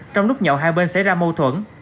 trong lúc nhậu hai bên xảy ra mâu thuẫn